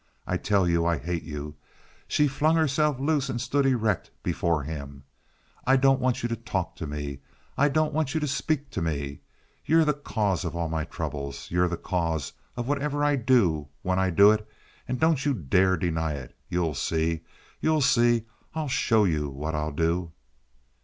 I tell you I hate you!" She flung herself loose and stood erect before him. "I don't want you to talk to me! I don't want you to speak to me! You're the cause of all my troubles. You're the cause of whatever I do, when I do it, and don't you dare to deny it! You'll see! You'll see! I'll show you what I'll do!"